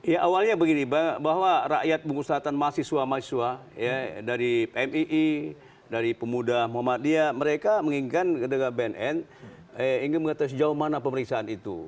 ya awalnya begini bahwa rakyat pengusahaan mahasiswa mahasiswa dari pmii dari pemuda muhammadiyah mereka menginginkan ketika bnn ingin mengetahui sejauh mana pemeriksaan itu